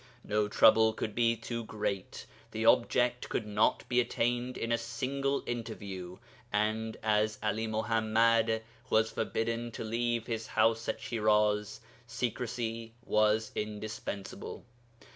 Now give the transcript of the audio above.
No trouble could be too great; the object could not be attained in a single interview, and as 'Ali Muḥammad was forbidden to leave his house at Shiraz, secrecy was indispensable.